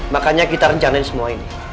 makanya kita rencanain semua ini